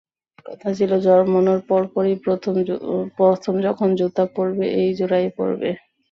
কথা ছিল জন্মানোর পর পরই প্রথম যখন জুতা পরবে এই জোড়াই পরবে।